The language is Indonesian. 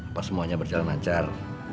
apa semuanya berjalan lancar